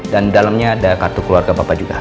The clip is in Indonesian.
dan dalamnya ada kartu keluarga bapak juga